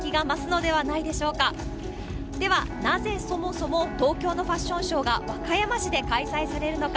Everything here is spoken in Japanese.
では、なぜそもそも東京のファッションショーが和歌山市で開催されるのか。